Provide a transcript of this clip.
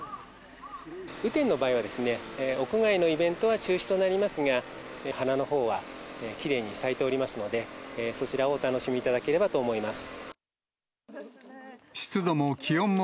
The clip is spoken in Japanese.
雨天の場合は、屋外のイベントは中止となりますが、花のほうはきれいに咲いておりますので、そちらをお楽しみいただければと思います。